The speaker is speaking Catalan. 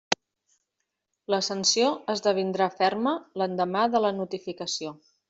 La sanció esdevindrà ferma l'endemà de la notificació.